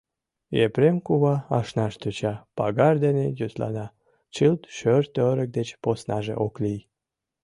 Епрем кува ашнаш тӧча — пагар дене йӧслана, чылт шӧр-торык деч поснаже ок лий.